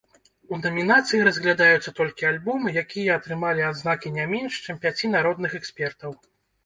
У намінацыі разглядаюцца толькі альбомы, якія атрымалі адзнакі не менш, чым пяці народных экспертаў.